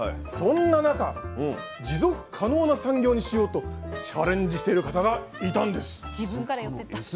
そんな中持続可能な産業にしようとチャレンジしてる方がいたんです。